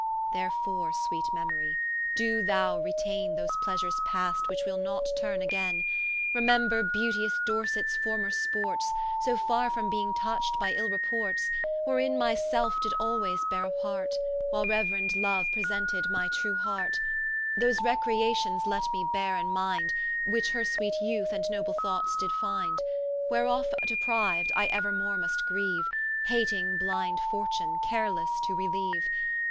Therefore sweet Memorie, doe thou retaine Those pleasures past, which will not turne againe: Remember beauteous Dorsets former sports, So farre from beeing toucht by ill reports; Wherein my selfe did alwaies beare a part, While reuerend Loue presented my true heart: Those recreations let me beare in mind, Which her sweet youth and noble thoughts did finde: Whereof depriu'd, I euermore must grieue, Hating blind Fortune, carelesse to releiue.